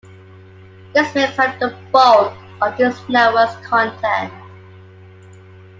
This makes up the bulk of these networks' content.